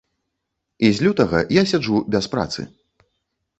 І з лютага я сяджу без працы.